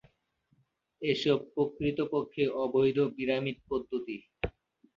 এসব প্রকৃতপক্ষে অবৈধ পিরামিড পদ্ধতি।